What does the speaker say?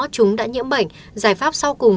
chúng đã nhiễm bệnh giải pháp sau cùng